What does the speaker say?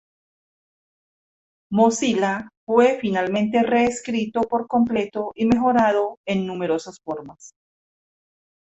Mozilla fue finalmente reescrito por completo y mejorado en numerosas formas.